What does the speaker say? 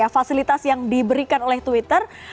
fasilitas yang diberikan oleh twitter